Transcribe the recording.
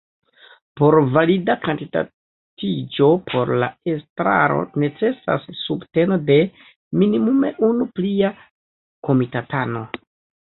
Por valida kandidatiĝo por la estraro necesas subteno de minimume unu plia komitatano.